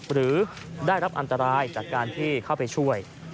หรือได้รับอันตรายจากการที่เข้าไปช่วย